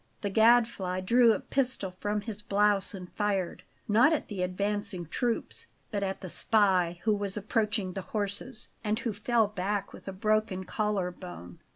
The Gadfly drew a pistol from his blouse and fired, not at the advancing troops, but at the spy, who was approaching the horses, and who fell back with a broken collar bone.